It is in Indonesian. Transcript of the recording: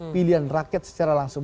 pilihan rakyat secara langsung